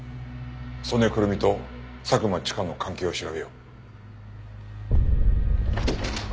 曽根くるみと佐久間千佳の関係を調べよう。